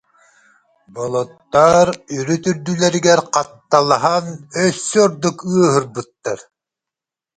Былыттар үрүт-үрдүлэригэр хатталаһан, өссө ордук ыаһырбыттар